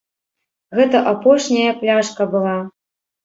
Гэта апошняя пляшка была.